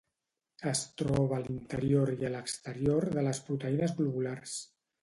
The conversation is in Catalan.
Es troba a l'interior i a l'exterior de les proteïnes globulars.